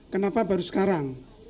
kenapa baru sekarang